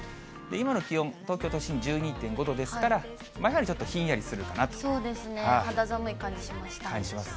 今の気温、東京都心１２．５度ですから、やはりちょっと、ひんやそうですね、感じします。